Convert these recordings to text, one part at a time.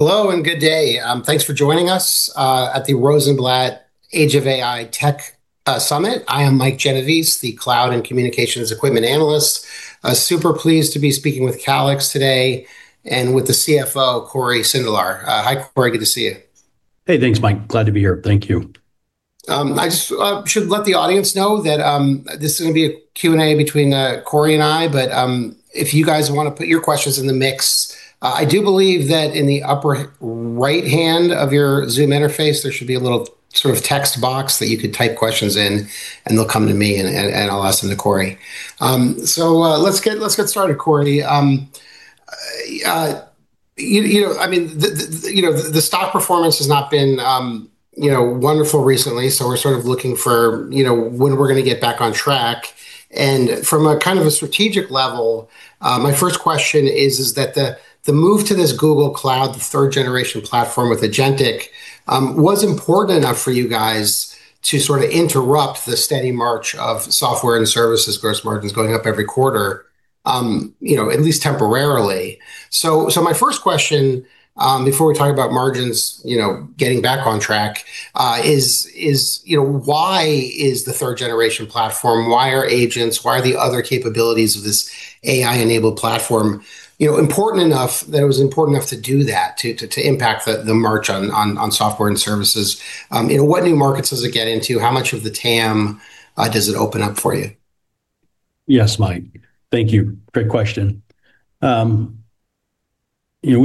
Hello, good day. Thanks for joining us at the Rosenblatt Age of AI Technology Summit. I am Michael Genovese, the cloud and communications equipment analyst. Super pleased to be speaking with Calix today, and with the CFO, Cory Sindelar. Hi, Cory. Good to see you. Hey, thanks, Mike. Glad to be here. Thank you. I just should let the audience know that this is going to be a Q&A between Cory and I. If you guys want to put your questions in the mix, I do believe that in the upper right hand of your Zoom interface, there should be a little text box that you could type questions in, and they'll come to me, and I'll ask them to Cory. Let's get started, Cory. The stock performance has not been wonderful recently, so we're sort of looking for when we're going to get back on track. From a strategic level, my first question is that the move to this Google Cloud, the third-generation platform with Agentic, was important enough for you guys to sort of interrupt the steady march of software and services gross margins going up every quarter at least temporarily. My first question, before we talk about margins getting back on track is, why is the third-generation platform, why are agents, why are the other capabilities of this AI-enabled platform important enough that it was important enough to do that, to impact the march on software and services? What new markets does it get into? How much of the TAM does it open up for you? Yes, Mike. Thank you. Great question. We've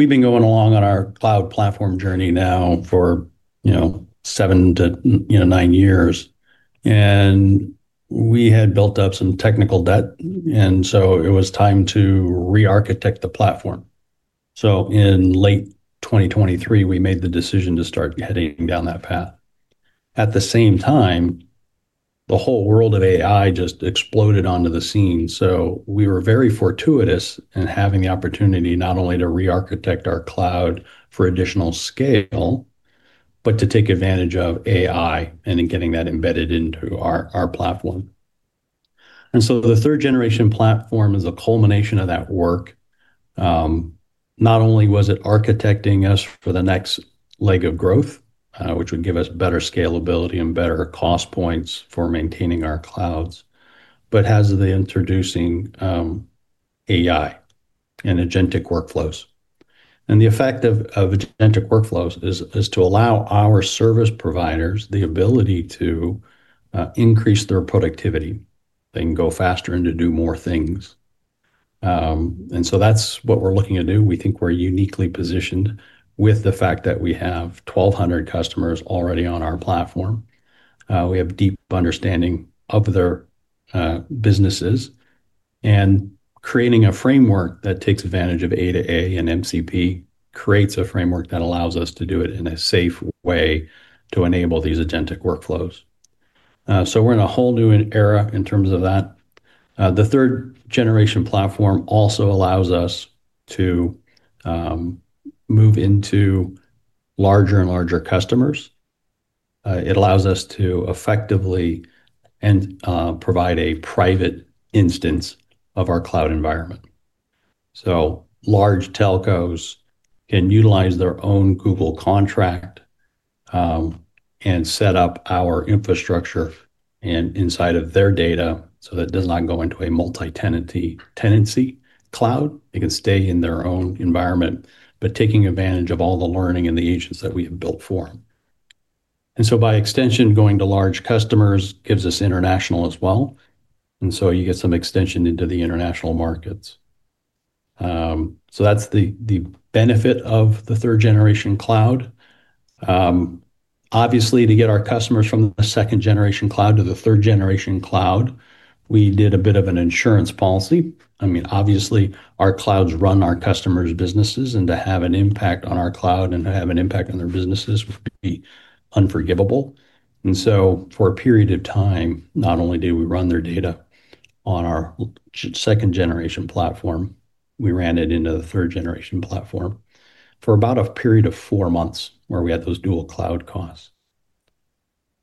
been going along on our cloud platform journey now for seven to nine years. It was time to rearchitect the platform. At the same time, the whole world of AI just exploded onto the scene. We were very fortuitous in having the opportunity not only to rearchitect our cloud for additional scale, but to take advantage of AI and in getting that embedded into our platform. The third-generation platform is a culmination of that work. Not only was it architecting us for the next leg of growth, which would give us better scalability and better cost points for maintaining our clouds, but has the introducing AI and Agentic workflows. The effect of Agentic workflows is to allow our service providers the ability to increase their productivity. They can go faster and to do more things. That's what we're looking to do. We think we're uniquely positioned with the fact that we have 1,200 customers already on our platform. We have deep understanding of their businesses, and creating a framework that takes advantage of A2A and MCP creates a framework that allows us to do it in a safe way to enable these Agentic workflows. We're in a whole new era in terms of that. The third-generation platform also allows us to move into larger and larger customers. It allows us to effectively provide a private instance of our cloud environment. Large telcos can utilize their own Google contract, and set up our infrastructure inside of their data so that it does not go into a multi-tenancy cloud. It can stay in their own environment, but taking advantage of all the learning and the agents that we have built for them. By extension, going to large customers gives us international as well. You get some extension into the international markets. That's the benefit of the third-generation cloud. Obviously, to get our customers from the second-generation cloud to the third-generation cloud, we did a bit of an insurance policy. Obviously, our clouds run our customers' businesses, and to have an impact on our cloud and to have an impact on their businesses would be unforgivable. For a period of time, not only did we run their data on our second-generation platform, we ran it into the third-generation platform for about a period of four months where we had those dual cloud costs.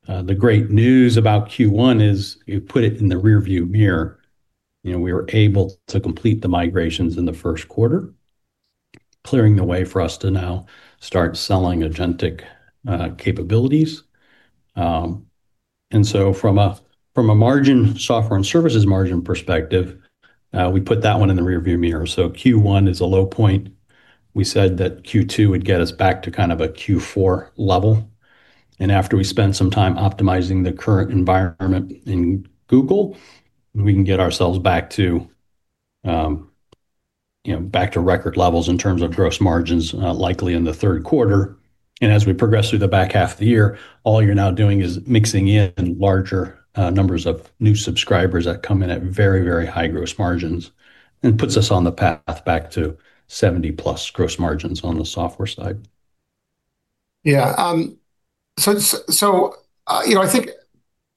The great news about Q1 is you put it in the rearview mirror. We were able to complete the migrations in the first quarter, clearing the way for us to now start selling Agentic capabilities. From a margin software and services margin perspective, we put that one in the rearview mirror. Q1 is a low point. We said that Q2 would get us back to kind of a Q4 level. After we spend some time optimizing the current environment in Google, we can get ourselves back to record levels in terms of gross margins, likely in the third quarter. As we progress through the back half of the year, all you're now doing is mixing in larger numbers of new subscribers that come in at very, very high gross margins and puts us on the path back to 70+ gross margins on the software side. I think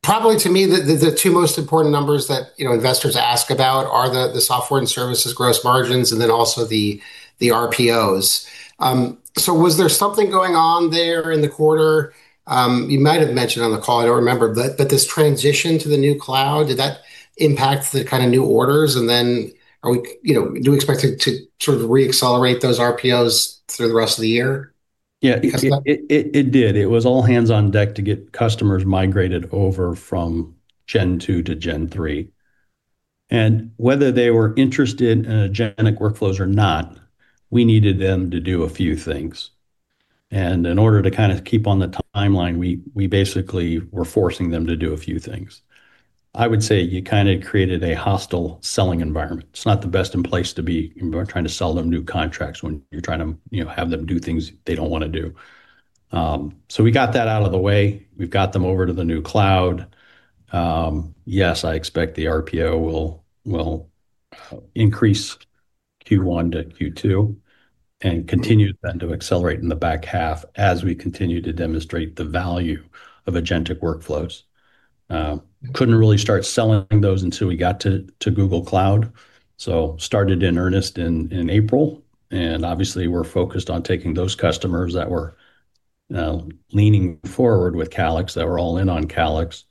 probably to me, the two most important numbers that investors ask about are the software and services gross margins and then also the RPOs. Was there something going on there in the quarter? You might have mentioned on the call, I don't remember, but this transition to the new cloud, did that impact the kind of new orders, and then do you expect to sort of re-accelerate those RPOs through the rest of the year? Yeah. Because of that? It did. It was all hands on deck to get customers migrated over from gen 2-gen 3. Whether they were interested in Agentic workflows or not, we needed them to do a few things. In order to kind of keep on the timeline, we basically were forcing them to do a few things. I would say you kind of created a hostile selling environment. It's not the best in place to be trying to sell them new contracts when you're trying to have them do things they don't want to do. We got that out of the way. We've got them over to the new cloud. Yes, I expect the RPO will increase Q1-Q2, and continue then to accelerate in the back half as we continue to demonstrate the value of Agentic workflows. Couldn't really start selling those until we got to Google Cloud, started in earnest in April. Obviously we're focused on taking those customers that were leaning forward with Calix, that were all in on Calix,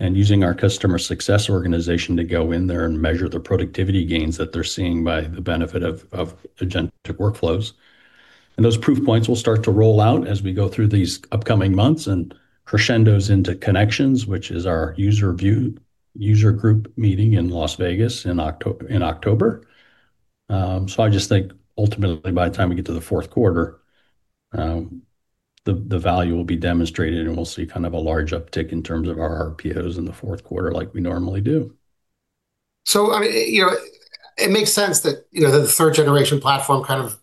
and using our customer success organization to go in there and measure the productivity gains that they're seeing by the benefit of Agentic workflows. Those proof points will start to roll out as we go through these upcoming months and crescendos into ConneXions, which is our user group meeting in Las Vegas in October. I just think ultimately by the time we get to the fourth quarter, the value will be demonstrated, and we'll see kind of a large uptick in terms of our RPOs in the fourth quarter like we normally do. It makes sense that the third-generation platform kind of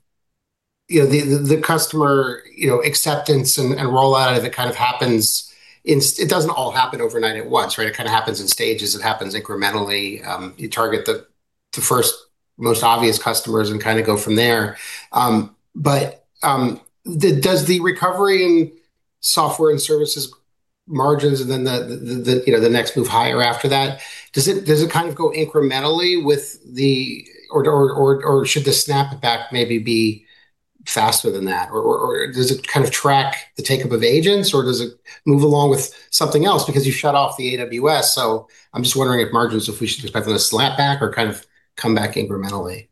the customer acceptance and rollout of it kind of happens in-- It doesn't all happen overnight at once, right? It kind of happens in stages. It happens incrementally. You target the first, most obvious customers and kind of go from there. Does the recovery in software and services margins and then the next move higher after that, does it kind of go incrementally with the Should the snapback maybe be faster than that? Does it kind of track the take-up of agents, or does it move along with something else because you've shut off the AWS? I'm just wondering if margins, if we should expect it to snap back or kind of come back incrementally.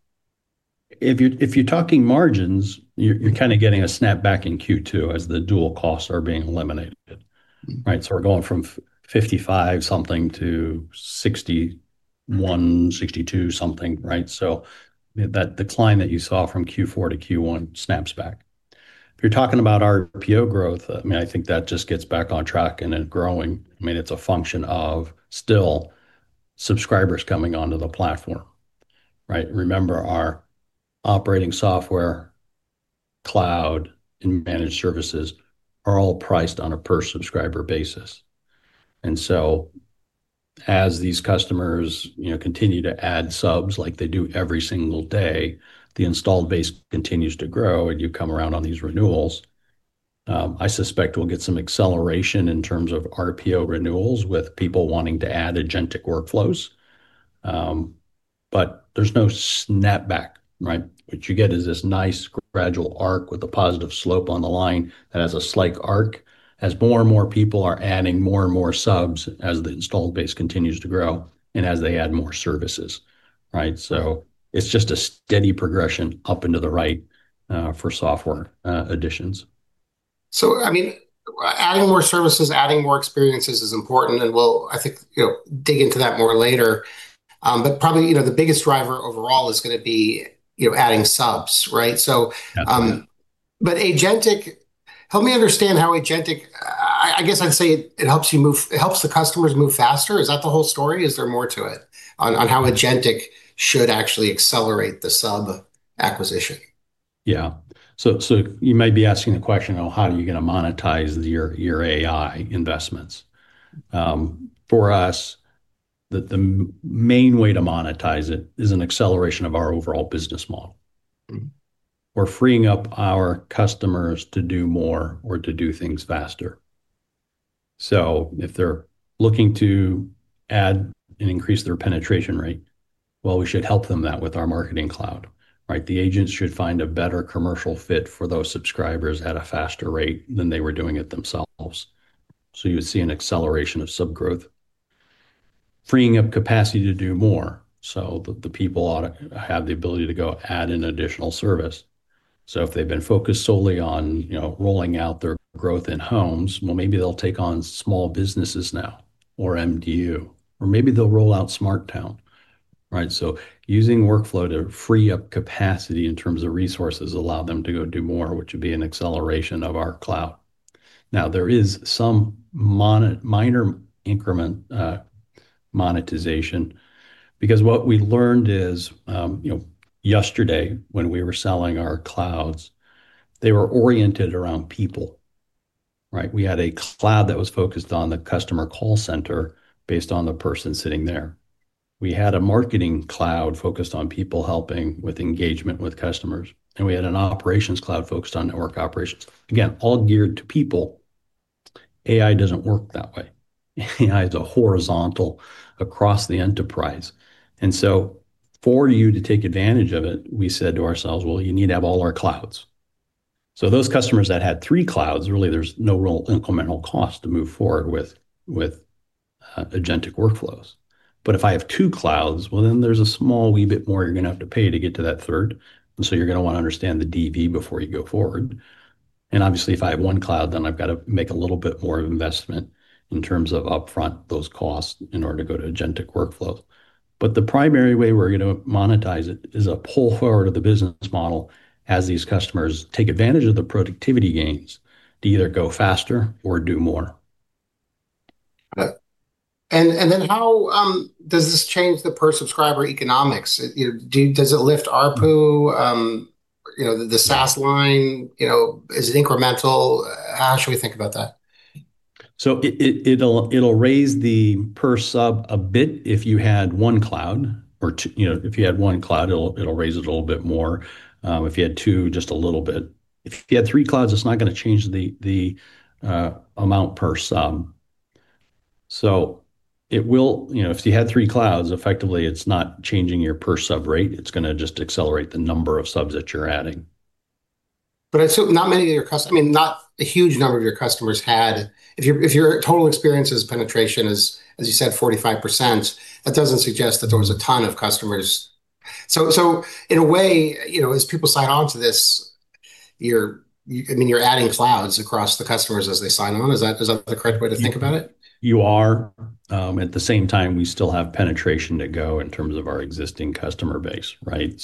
If you're talking margins, you're kind of getting a snapback in Q2 as the dual costs are being eliminated, right? We're going from 55 something to 61, 62 something, right? That decline that you saw from Q4-Q1 snaps back. If you're talking about RPO growth, I think that just gets back on track and then growing. It's a function of still subscribers coming onto the platform, right? Remember, our operating software, cloud, and managed services are all priced on a per subscriber basis. As these customers continue to add subs like they do every single day, the installed base continues to grow and you come around on these renewals. I suspect we'll get some acceleration in terms of RPO renewals with people wanting to add Agentic workflows. There's no snapback, right? What you get is this nice gradual arc with a positive slope on the line that has a slight arc as more and more people are adding more and more subs as the installed base continues to grow and as they add more services, right? It's just a steady progression up into the right for software additions. Adding more services, adding more experiences is important, and we'll, I think, dig into that more later. Probably, the biggest driver overall is going to be adding subs, right? That's right. Agentic, help me understand how I guess I'd say it helps the customers move faster. Is that the whole story? Is there more to it on how Agentic should actually accelerate the sub acquisition? Yeah. You may be asking the question of how are you going to monetize your AI investments? For us, the main way to monetize it is an acceleration of our overall business model. We're freeing up our customers to do more or to do things faster. If they're looking to add and increase their penetration rate, well, we should help them with that with our marketing cloud, right? The agents should find a better commercial fit for those subscribers at a faster rate than they were doing it themselves. You would see an acceleration of sub growth, freeing up capacity to do more, the people ought to have the ability to go add an additional service. If they've been focused solely on rolling out their growth in homes, well, maybe they'll take on small businesses now or MDU, or maybe they'll roll out SmartTown, right? Using workflow to free up capacity in terms of resources allow them to go do more, which would be an acceleration of our cloud. There is some minor increment monetization, because what we learned is, yesterday when we were selling our clouds, they were oriented around people, right? We had a cloud that was focused on the customer call center based on the person sitting there. We had a marketing cloud focused on people helping with engagement with customers, and we had an operations cloud focused on network operations. Again, all geared to people. AI doesn't work that way. AI is a horizontal across the enterprise. For you to take advantage of it, we said to ourselves, "Well, you need to have all our clouds."So those customers that had three clouds, really there's no real incremental cost to move forward with Agentic workflows. If I have two clouds, there's a small wee bit more you're going to have to pay to get to that third, you're going to want to understand the DV before you go forward. Obviously, if I have one cloud, then I've got to make a little bit more of investment in terms of upfront those costs in order to go to Agentic workflow. The primary way we're going to monetize it is a pull forward of the business model as these customers take advantage of the productivity gains to either go faster or do more. Okay. How does this change the per-subscriber economics? Does it lift ARPU? The SaaS line, is it incremental? How should we think about that? It'll raise the per sub a bit if you had one cloud or two. If you had one cloud, it'll raise it a little bit more. If you had two, just a little bit. If you had three clouds, it's not going to change the amount per sub. If you had three clouds, effectively, it's not changing your per sub rate. It's going to just accelerate the number of subs that you're adding. I assume not a huge number of your customers had If your total experience as penetration is, as you said, 45%, that doesn't suggest that there was a ton of customers. In a way, as people sign on to this, you're adding clouds across the customers as they sign on. Is that the correct way to think about it? You are. At the same time, we still have penetration to go in terms of our existing customer base, right?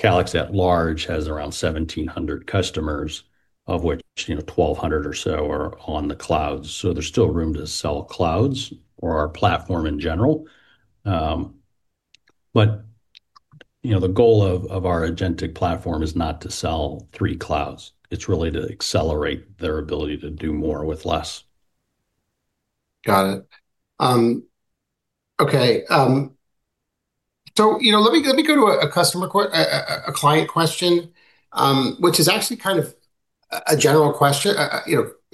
Calix at large has around 1,700 customers, of which 1,200 or so are on the cloud. There's still room to sell clouds or our platform in general. The goal of our Agentic platform is not to sell three clouds. It's really to accelerate their ability to do more with less. Got it. Okay. Let me go to a client question, which is actually kind of a general question.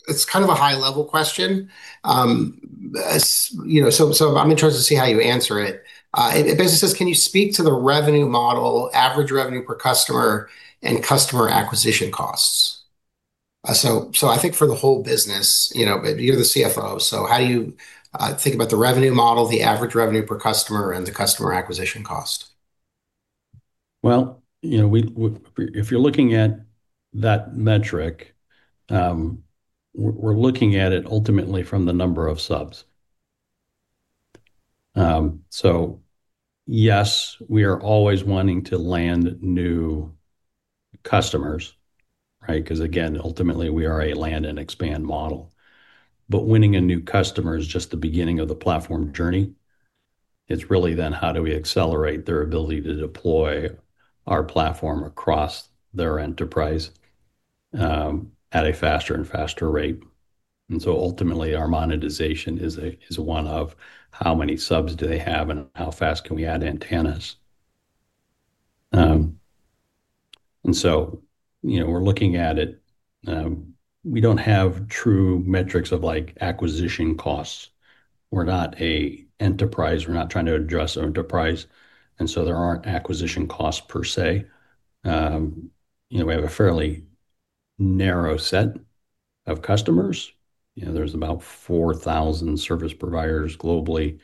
It's kind of a high-level question. I'm interested to see how you answer it. It basically says: "Can you speak to the revenue model, average revenue per customer, and customer acquisition costs?" I think for the whole business, you're the CFO, how do you think about the revenue model, the average revenue per customer, and the customer acquisition cost? If you're looking at that metric, we're looking at it ultimately from the number of subs. Yes, we are always wanting to land new customers, right? Because again, ultimately we are a land and expand model. Winning a new customer is just the beginning of the platform journey. It's really how do we accelerate their ability to deploy our platform across their enterprise at a faster and faster rate. Ultimately, our monetization is one of how many subs do they have and how fast can we add antennas. We're looking at it. We don't have true metrics of acquisition costs. We're not a enterprise. We're not trying to address enterprise, there aren't acquisition costs per se. We have a fairly narrow set of customers. There's about 4,000 service providers globally,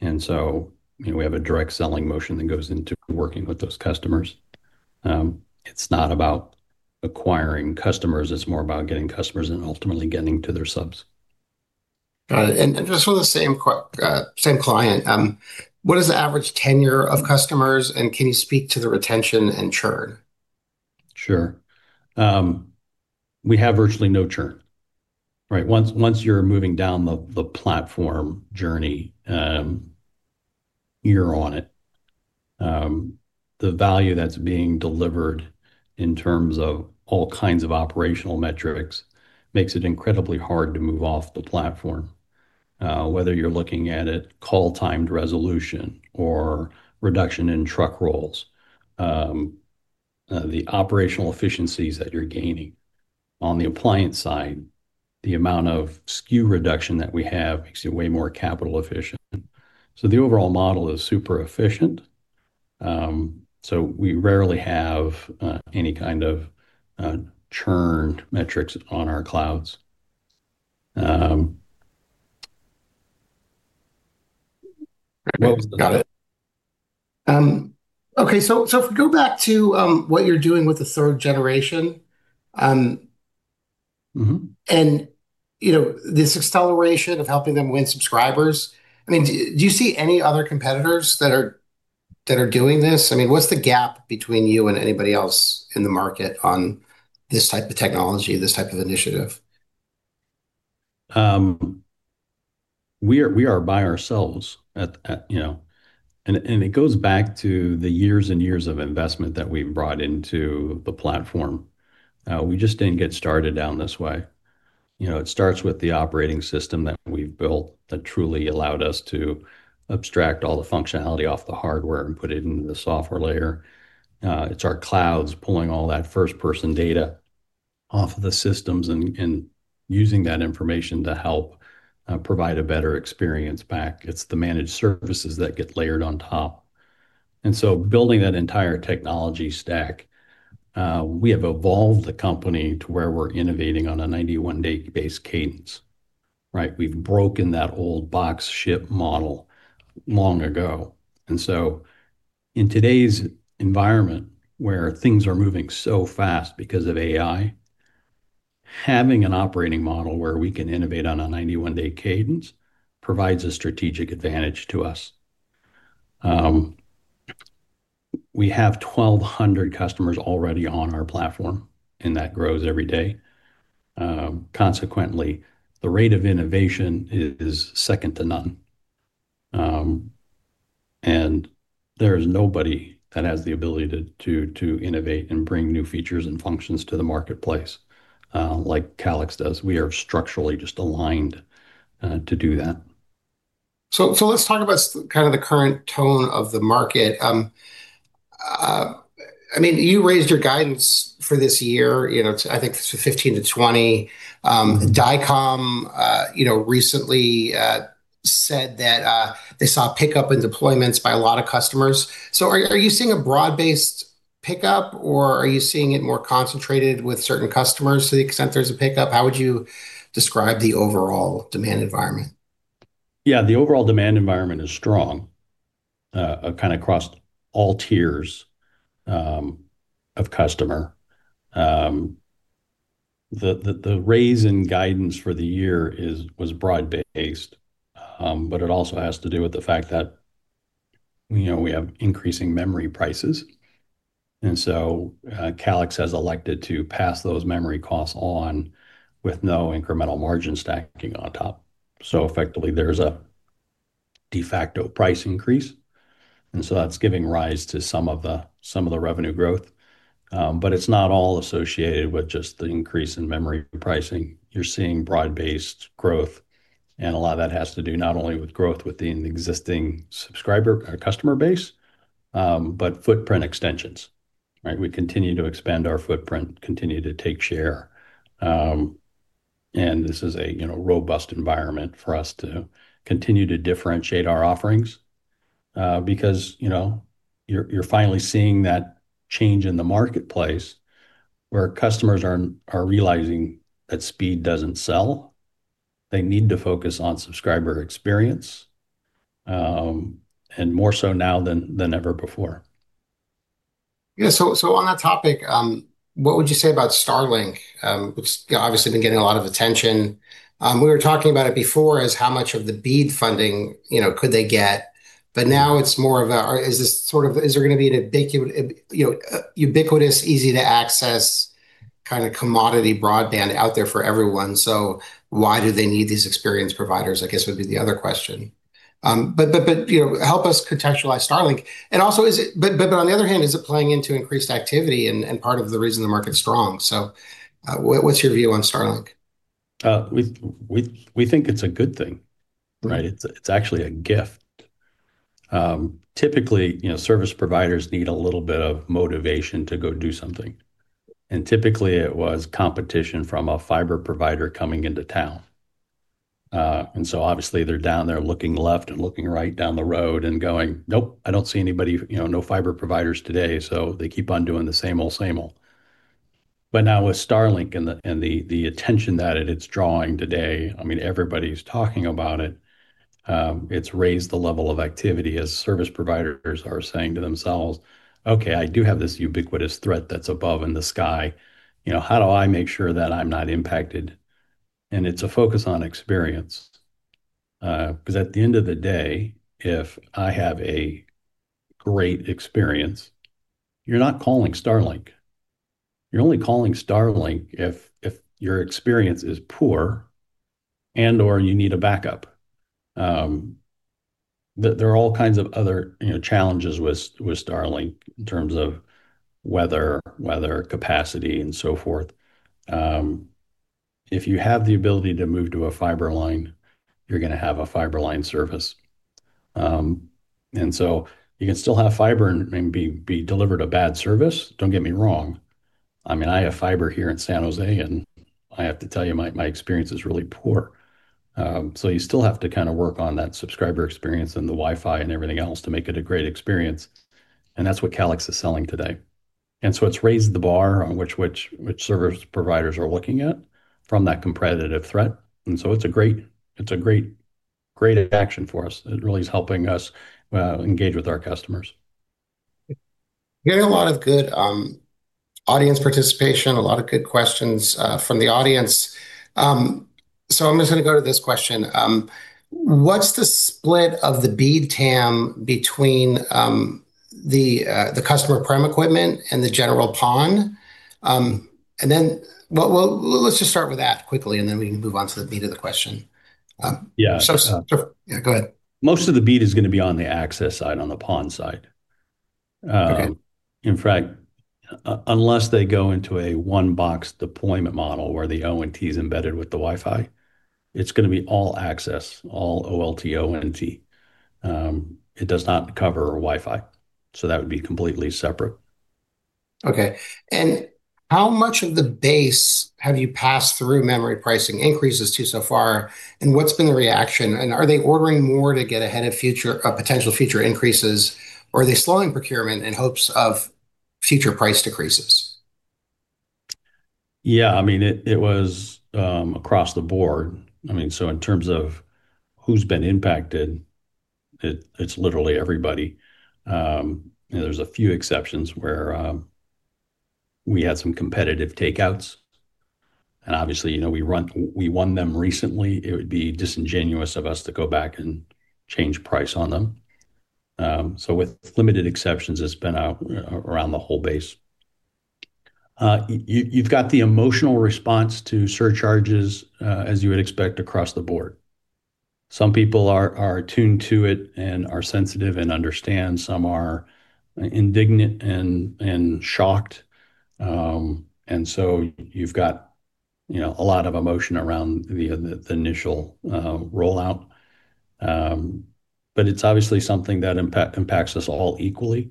we have a direct selling motion that goes into working with those customers. It's not about acquiring customers, it's more about getting customers and ultimately getting to their subs. Got it. Just from the same client, what is the average tenure of customers, and can you speak to the retention and churn? Sure. We have virtually no churn, right? Once you're moving down the platform journey, you're on it. The value that's being delivered in terms of all kinds of operational metrics makes it incredibly hard to move off the platform. Whether you're looking at a call timed resolution or reduction in truck rolls, the operational efficiencies that you're gaining. On the appliance side, the amount of SKU reduction that we have makes it way more capital efficient. The overall model is super efficient. We rarely have any kind of churned metrics on our clouds. Got it. Okay. If we go back to what you're doing with the third generation- This acceleration of helping them win subscribers, do you see any other competitors that are doing this? What's the gap between you and anybody else in the market on this type of technology, this type of initiative? We are by ourselves. It goes back to the years and years of investment that we've brought into the platform. We just didn't get started down this way. It starts with the operating system that we've built that truly allowed us to abstract all the functionality off the hardware and put it into the software layer. It's our clouds pulling all that first-person data off of the systems and using that information to help provide a better experience back. It's the managed services that get layered on top. So building that entire technology stack, we have evolved the company to where we're innovating on a 91-day base cadence. We've broken that old box ship model long ago. So in today's environment, where things are moving so fast because of AI, having an operating model where we can innovate on a 91-day cadence provides a strategic advantage to us. We have 1,200 customers already on our platform, and that grows every day. Consequently, the rate of innovation is second to none. There's nobody that has the ability to innovate and bring new features and functions to the marketplace like Calix does. We are structurally just aligned to do that. Let's talk about the current tone of the market. You raised your guidance for this year, I think to 15%-20%. Dycom recently said that they saw a pickup in deployments by a lot of customers. Are you seeing a broad-based pickup, or are you seeing it more concentrated with certain customers to the extent there's a pickup? How would you describe the overall demand environment? The overall demand environment is strong across all tiers of customer. The raise in guidance for the year was broad-based, but it also has to do with the fact that we have increasing memory prices. Calix has elected to pass those memory costs on with no incremental margin stacking on top. Effectively, there's a de facto price increase, and that's giving rise to some of the revenue growth. It's not all associated with just the increase in memory pricing. You're seeing broad-based growth, and a lot of that has to do not only with growth within the existing subscriber customer base, but footprint extensions. We continue to expand our footprint, continue to take share. This is a robust environment for us to continue to differentiate our offerings, because you're finally seeing that change in the marketplace where customers are realizing that speed doesn't sell. They need to focus on subscriber experience, and more so now than ever before. On that topic, what would you say about Starlink? Which has obviously been getting a lot of attention. We were talking about it before as how much of the BEAD funding could they get, but now it's more of a, is there going to be an ubiquitous, easy-to-access commodity broadband out there for everyone? Why do they need these experience providers, I guess, would be the other question. Help us contextualize Starlink. On the other hand, is it playing into increased activity and part of the reason the market's strong? What's your view on Starlink? We think it's a good thing. Right. It's actually a gift. Typically, service providers need a little bit of motivation to go do something, and typically it was competition from a fiber provider coming into town. Obviously they're down there looking left and looking right down the road and going, "Nope, I don't see anybody, no fiber providers today." They keep on doing the same old, same old. Now with Starlink and the attention that it's drawing today, everybody's talking about it. It's raised the level of activity as service providers are saying to themselves, "Okay, I do have this ubiquitous threat that's above in the sky. How do I make sure that I'm not impacted?" It's a focus on experience. Because at the end of the day, if I have a great experience, you're not calling Starlink. You're only calling Starlink if your experience is poor and/or you need a backup. There are all kinds of other challenges with Starlink in terms of weather, capacity, and so forth. If you have the ability to move to a fiber line, you're going to have a fiber line service. You can still have fiber and be delivered a bad service, don't get me wrong. I have fiber here in San Jose, and I have to tell you, my experience is really poor. You still have to work on that subscriber experience and the Wi-Fi and everything else to make it a great experience, and that's what Calix is selling today. It's raised the bar on which service providers are looking at from that competitive threat. It's a great action for us. It really is helping us engage with our customers. Getting a lot of good audience participation, a lot of good questions from the audience. I'm just going to go to this question. What's the split of the BEAD TAM between the customer prem equipment and the general PON? Let's just start with that quickly, and then we can move on to the meat of the question. Yeah. Yeah, go ahead. Most of the BEAD is going to be on the access side, on the PON side. Okay. Unless they go into a one-box deployment model where the ONT is embedded with the Wi-Fi, it's going to be all access, all OLT and ONT. It does not cover Wi-Fi. That would be completely separate. Okay. How much of the base have you passed through many pricing increases to so far, and what's been the reaction, and are they ordering more to get ahead of potential future increases, or are they slowing procurement in hopes of future price decreases? It was across the board. In terms of who's been impacted, it's literally everybody. There's a few exceptions where we had some competitive takeouts, and obviously, we won them recently. It would be disingenuous of us to go back and change price on them. With limited exceptions, it's been around the whole base. You've got the emotional response to surcharges, as you would expect across the board. Some people are attuned to it and are sensitive and understand. Some are indignant and shocked. You've got a lot of emotion around the initial rollout. It's obviously something that impacts us all equally.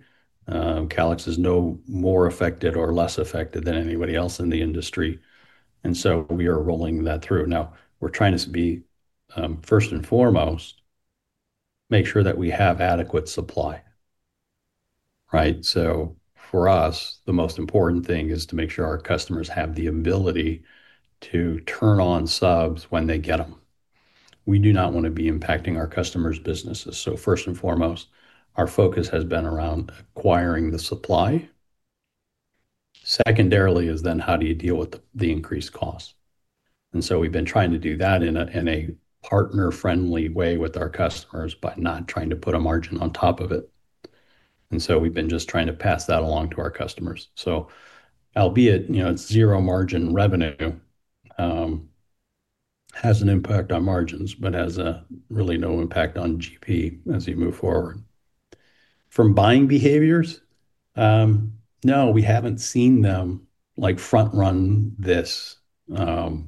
Calix is no more affected or less affected than anybody else in the industry, and so we are rolling that through. We're trying to be, first and foremost, make sure that we have adequate supply, right? For us, the most important thing is to make sure our customers have the ability to turn on subs when they get them. We do not want to be impacting our customers' businesses. First and foremost, our focus has been around acquiring the supply. Secondarily is how do you deal with the increased cost. We've been trying to do that in a partner-friendly way with our customers by not trying to put a margin on top of it. We've been just trying to pass that along to our customers. Albeit, it's zero margin revenue, has an impact on margins, but has really no impact on GP as you move forward. From buying behaviors, no, we haven't seen them front-run this, and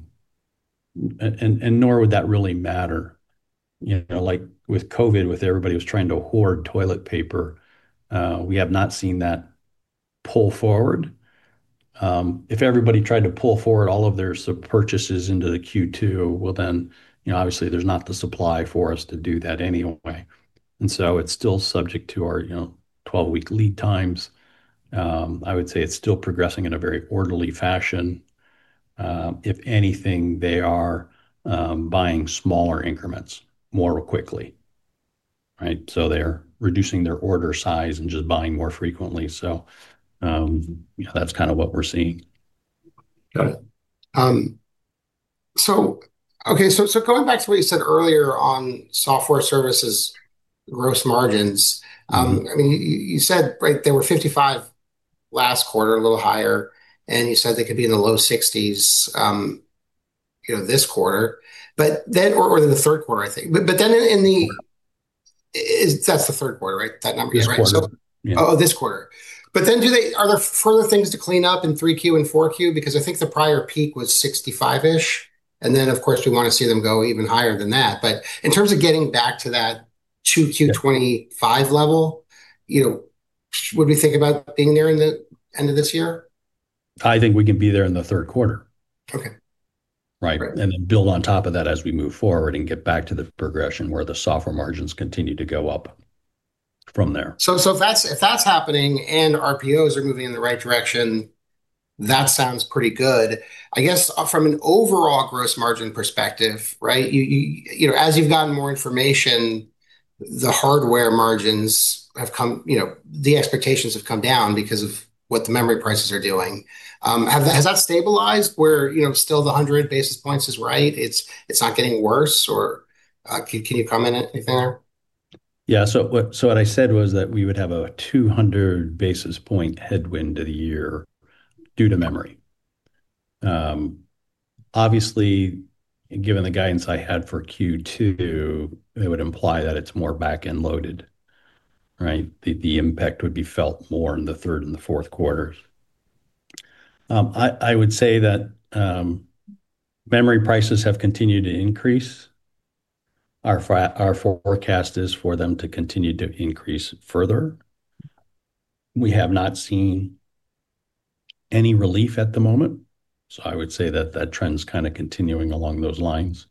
nor would that really matter. Like with COVID, with everybody was trying to hoard toilet paper, we have not seen that pull forward. If everybody tried to pull forward all of their purchases into the Q2, obviously, there's not the supply for us to do that anyway, and so it's still subject to our 12-week lead times. I would say it's still progressing in a very orderly fashion. If anything, they are buying smaller increments more quickly. Right? They're reducing their order size and just buying more frequently. That's kind of what we're seeing. Got it. Okay, going back to what you said earlier on software services gross margins. You said, right, they were 55 last quarter, a little higher, and you said they could be in the low 60s this quarter, or the third quarter, I think. That's the third quarter, right? That number is, right? This quarter. Oh, this quarter. Are there further things to clean up in three Q and four Q? Because I think the prior peak was 65-ish, and then, of course, we want to see them go even higher than that. In terms of getting back to that two Q25 level, would we think about being there in the end of this year? I think we can be there in the third quarter. Okay. Right. Build on top of that as we move forward and get back to the progression where the software margins continue to go up from there. If that's happening and RPOs are moving in the right direction, that sounds pretty good. I guess from an overall gross margin perspective, right, as you've gotten more information, the hardware margins have come, the expectations have come down because of what the memory prices are doing. Has that stabilized where still the 100 basis points is right? It's not getting worse, or can you comment anything there? Yeah. What I said was that we would have a 200 basis point headwind to the year due to memory. Obviously, given the guidance I had for Q2, it would imply that it's more back-end loaded. Right? The impact would be felt more in the third and the fourth quarters. I would say that memory prices have continued to increase. Our forecast is for them to continue to increase further. We have not seen any relief at the moment, so I would say that that trend's kind of continuing along those lines.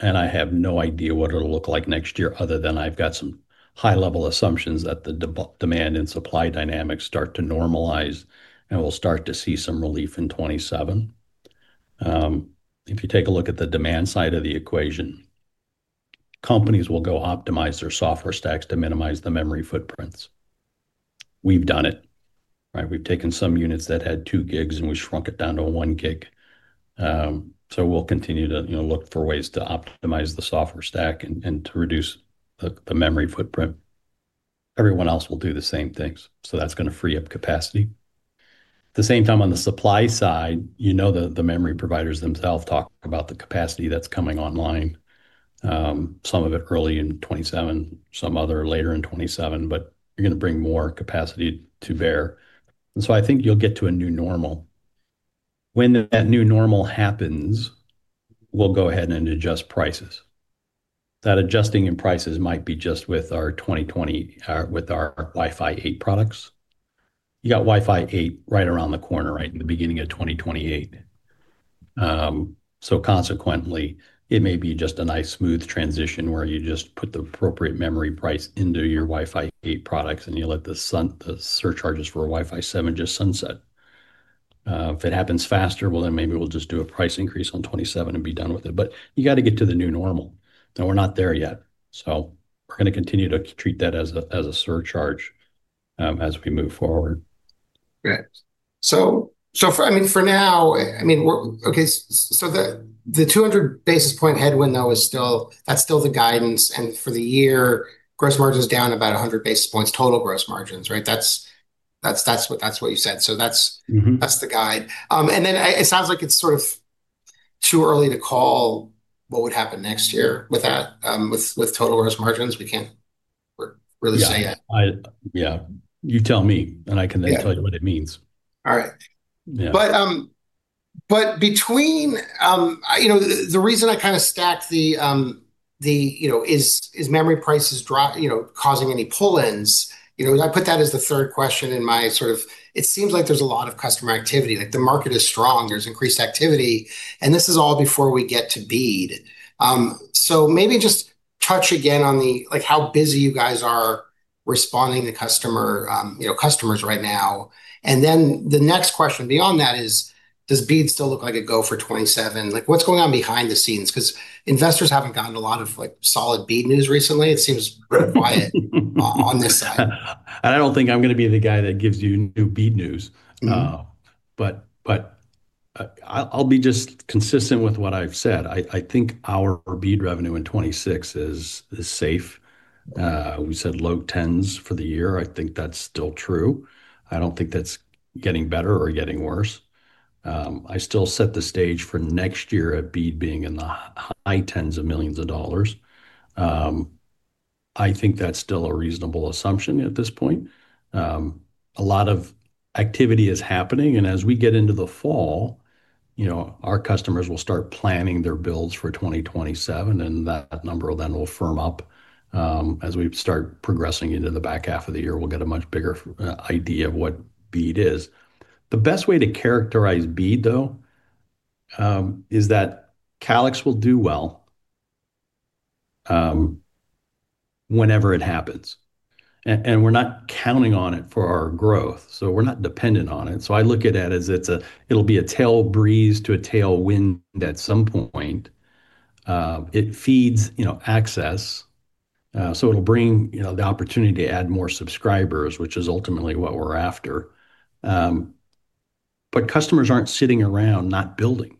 I have no idea what it'll look like next year, other than I've got some high-level assumptions that the demand and supply dynamics start to normalize, and we'll start to see some relief in 2027. If you take a look at the demand side of the equation, companies will go optimize their software stacks to minimize the memory footprints. We've done it. Right? We've taken some units that had two gigs, and we shrunk it down to one gig. We'll continue to look for ways to optimize the software stack and to reduce the memory footprint. Everyone else will do the same things. That's going to free up capacity. At the same time, on the supply side, the memory providers themselves talk about the capacity that's coming online. Some of it early in 2027, some other later in 2027, but you're going to bring more capacity to bear. I think you'll get to a new normal. When that new normal happens, we'll go ahead and adjust prices. That adjusting in prices might be just with our Wi-Fi 8 products. You got Wi-Fi 8 right around the corner, right in the beginning of 2028. Consequently, it may be just a nice smooth transition where you just put the appropriate memory price into your Wi-Fi 8 products, and you let the surcharges for Wi-Fi 7 just sunset. If it happens faster, well then maybe we'll just do a price increase on 2027 and be done with it. You got to get to the new normal. Now we're not there yet, we're going to continue to treat that as a surcharge as we move forward. Great. For now, the 200 basis point headwind though, that's still the guidance. For the year, gross margin's down about 100 basis points, total gross margins, right? That's what you said. That's. That's the guide. Then, it sounds like it's sort of too early to call what would happen next year with that, with total gross margins, we can't really say yet. Yeah. You tell me, and I can then tell you what it means. All right. Yeah. The reason I kind of stacked the, is memory prices dropping, causing any pull-ins? I put that as the third question in my sort of, it seems like there's a lot of customer activity. The market is strong, there's increased activity, and this is all before we get to BEAD. Maybe just touch again on how busy you guys are responding to customers right now. The next question beyond that is, does BEAD still look like a go for 2027? What's going on behind the scenes? Investors haven't gotten a lot of solid BEAD news recently. It seems quiet on this side. I don't think I'm going to be the guy that gives you new BEAD news. I'll be just consistent with what I've said. I think our BEAD revenue in 2026 is safe. We said low tens for the year. I think that's still true. I don't think that's getting better or getting worse. I still set the stage for next year at BEAD being in the high tens of millions of dollars. I think that's still a reasonable assumption at this point. A lot of activity is happening. As we get into the fall, our customers will start planning their builds for 2027. That number then will firm up. As we start progressing into the back half of the year, we'll get a much bigger idea of what BEAD is. The best way to characterize BEAD, though, is that Calix will do well, whenever it happens. We're not counting on it for our growth. We're not dependent on it. I look at that as it'll be a tail breeze to a tailwind at some point. It feeds access. It'll bring the opportunity to add more subscribers, which is ultimately what we're after. Customers aren't sitting around not building,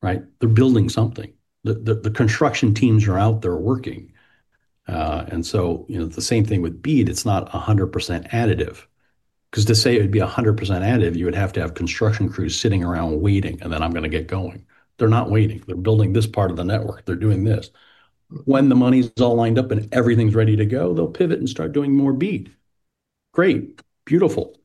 right? They're building something. The construction teams are out there working. The same thing with BEAD, it's not 100% additive. To say it would be 100% additive, you would have to have construction crews sitting around waiting, and then I'm going to get going. They're not waiting. They're building this part of the network. They're doing this. When the money's all lined up and everything's ready to go, they'll pivot and start doing more BEAD. Great. Beautiful.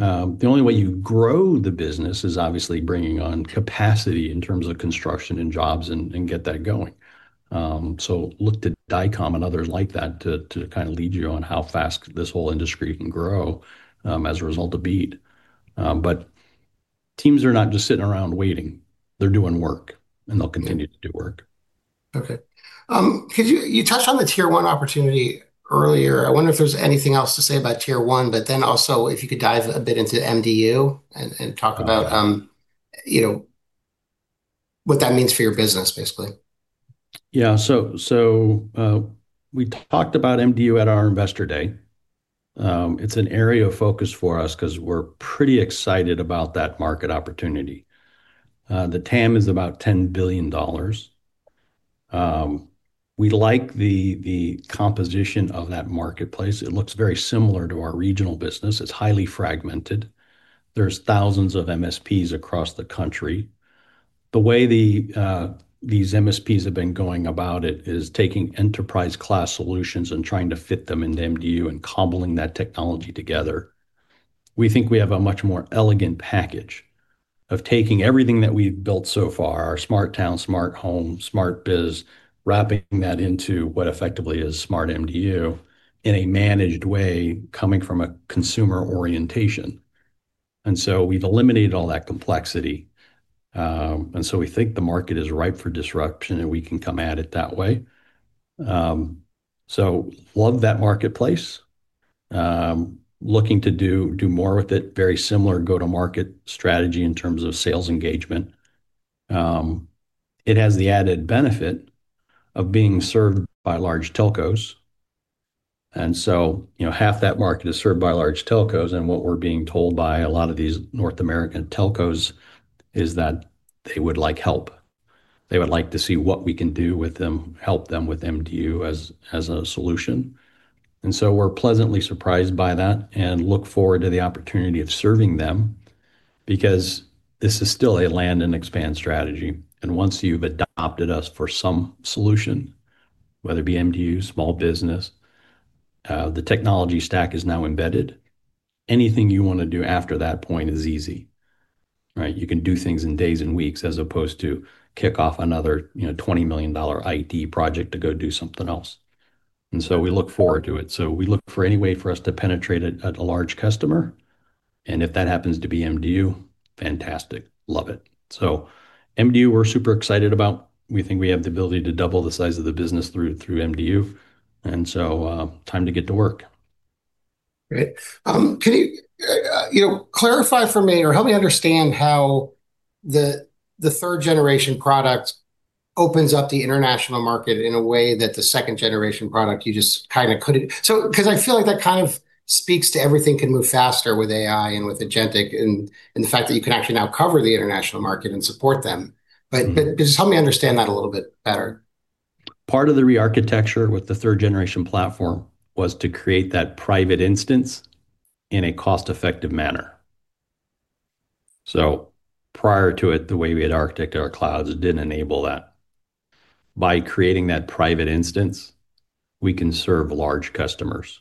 The only way you grow the business is obviously bringing on capacity in terms of construction and jobs and get that going. Look to Dycom and others like that to kind of lead you on how fast this whole industry can grow, as a result of Broadband Equity, Access, and Deployment. Teams are not just sitting around waiting. They're doing work, and they'll continue to do work. Okay. You touched on the Tier 1 opportunity earlier. I wonder if there's anything else to say about Tier 1, but then also if you could dive a bit into MDU and talk about what that means for your business, basically. Yeah. We talked about MDU at our investor day. It's an area of focus for us because we're pretty excited about that market opportunity. The TAM is about $10 billion. We like the composition of that marketplace. It looks very similar to our regional business. It's highly fragmented. There's thousands of MSPs across the country. The way these MSPs have been going about it is taking enterprise class solutions and trying to fit them into MDU and cobbling that technology together. We think we have a much more elegant package of taking everything that we've built so far, our SmartTown, SmartHome, SmartBiz, wrapping that into what effectively is SmartMDU in a managed way, coming from a consumer orientation. We've eliminated all that complexity. We think the market is ripe for disruption, and we can come at it that way. Love that marketplace. Looking to do more with it. Very similar go-to-market strategy in terms of sales engagement. It has the added benefit of being served by large telcos. Half that market is served by large telcos, and what we're being told by a lot of these North American telcos is that they would like help. They would like to see what we can do with them, help them with MDU as a solution. We're pleasantly surprised by that and look forward to the opportunity of serving them, because this is still a land and expand strategy. Once you've adopted us for some solution. Whether it be MDU, small business, the technology stack is now embedded. Anything you want to do after that point is easy. You can do things in days and weeks as opposed to kick off another $20 million IT project to go do something else. We look forward to it. We look for any way for us to penetrate a large customer, and if that happens to be MDU, fantastic, love it. MDU, we're super excited about. We think we have the ability to double the size of the business through MDU, time to get to work. Great. Can you clarify for me or help me understand how the third-generation product opens up the international market in a way that the second-generation product you just kind of couldn't? Because I feel like that kind of speaks to everything can move faster with AI and with Agentic and the fact that you can actually now cover the international market and support them. Just help me understand that a little bit better. Part of the re-architecture with the third-generation platform was to create that private instance in a cost-effective manner. Prior to it, the way we had architected our clouds didn't enable that. By creating that private instance, we can serve large customers.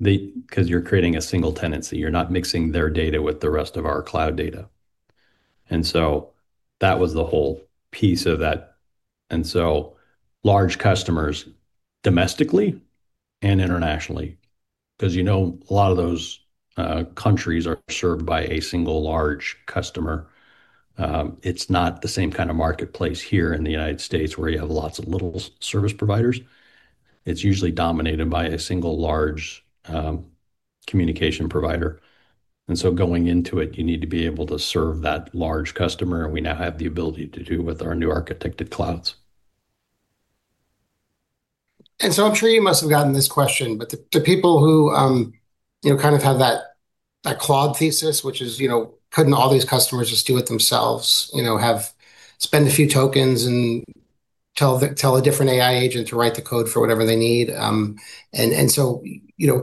Because you're creating a single tenancy, you're not mixing their data with the rest of our cloud data. That was the whole piece of that. Large customers domestically and internationally, because a lot of those countries are served by a single large customer. It's not the same kind of marketplace here in the U.S. where you have lots of little service providers. It's usually dominated by a single large communication provider. Going into it, you need to be able to serve that large customer, and we now have the ability to do with our new architected clouds. I'm sure you must have gotten this question, but the people who kind of have that cloud thesis, which is, couldn't all these customers just do it themselves? Have spend a few tokens and tell a different AI agent to write the code for whatever they need. Basically, the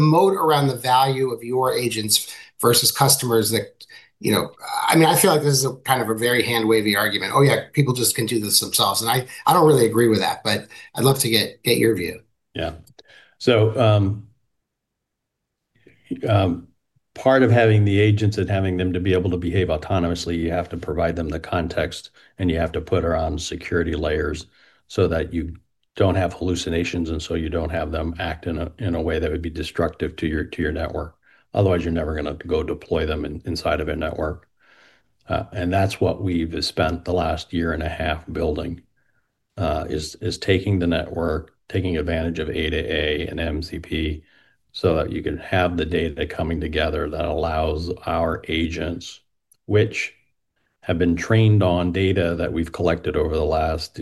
moat around the value of your agents versus customers that, I feel like this is kind of a very hand-wavy argument. Oh, yeah, people just can do this themselves. I don't really agree with that, but I'd love to get your view. Part of having the agents and having them to be able to behave autonomously, you have to provide them the context, and you have to put around security layers so that you don't have hallucinations, you don't have them act in a way that would be destructive to your network. Otherwise, you're never going to go deploy them inside of a network. That's what we've spent the last year and a half building, is taking the network, taking advantage of A2A and MCP, so that you can have the data coming together that allows our agents, which have been trained on data that we've collected over the last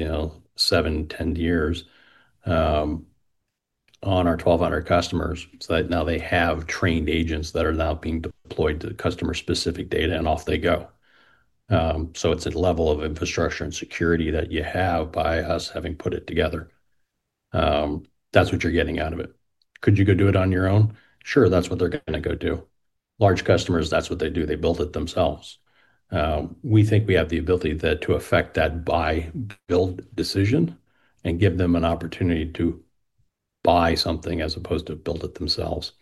seven, 10 years on our 1,200 customers, so that now they have trained agents that are now being deployed to customer-specific data, off they go. It's a level of infrastructure and security that you have by us having put it together. That's what you're getting out of it. Could you go do it on your own? Sure. That's what they're going to go do. Large customers, that's what they do. They build it themselves. We think we have the ability to affect that buy-build decision and give them an opportunity to buy something as opposed to build it themselves.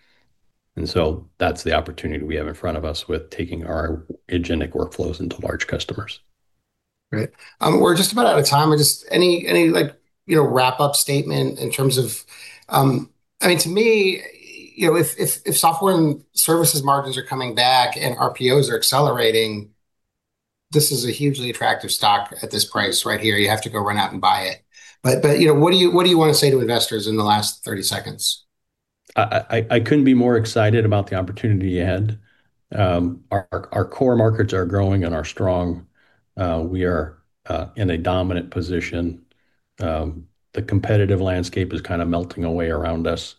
That's the opportunity we have in front of us with taking our Agentic workflows into large customers. Great. We're just about out of time. Just any wrap-up statement in terms of. To me, if software and services margins are coming back and RPOs are accelerating, this is a hugely attractive stock at this price right here. You have to go run out and buy it. What do you want to say to investors in the last 30 seconds? I couldn't be more excited about the opportunity ahead. Our core markets are growing and are strong. We are in a dominant position. The competitive landscape is kind of melting away around us,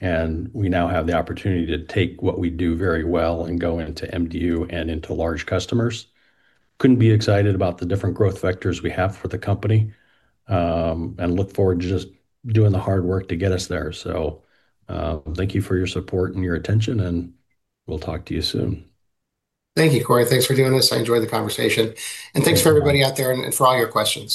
we now have the opportunity to take what we do very well and go into MDU and into large customers. Couldn't be excited about the different growth vectors we have for the company, look forward to just doing the hard work to get us there. Thank you for your support and your attention, we'll talk to you soon. Thank you, Cory. Thanks for doing this. I enjoyed the conversation. Thanks for everybody out there and for all your questions.